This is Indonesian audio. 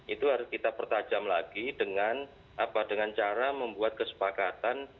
itu harus kita pertajam lagi dengan cara membuat kesepakatan